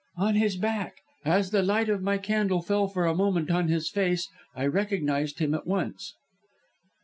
"On his back. As the light of my candle fell for a moment on his face, I recognised him at once."